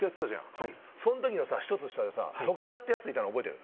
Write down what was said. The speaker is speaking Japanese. はいそん時のさ１つ下でさトクダってやついたの覚えてる？